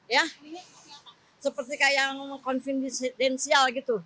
ya seperti kayak yang konfidensial gitu